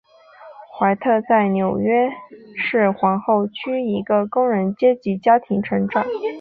怀特在纽约市皇后区一个工人阶级家庭成长。